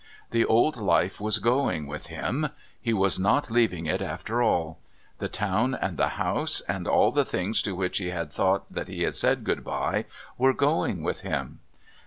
The old life was going with him! He was not leaving it after all. The town and the house, and all the things to which he had thought that he had said good bye, were going with him.